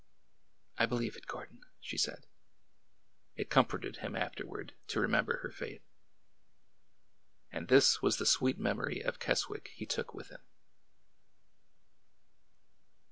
I believe it, Gordon," she said. It comforted him afterward to remember her faith. And this was the sweet memory of Keswick he took with him.